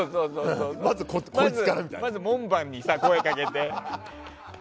まず門番に声かけて。